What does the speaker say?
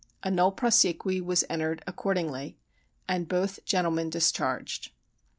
A nolle prosequi was entered accordingly, and both gentlemen discharged.